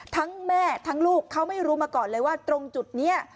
ทั้งแม่ทั้งลูกเขาไม่รู้มาก่อนเลยว่าตรงจุดนี้